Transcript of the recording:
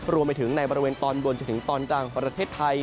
รวมไปถึงในบริเวณตอนบนจนถึงตอนกลางของประเทศไทย